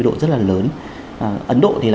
độ rất là lớn ấn độ thì là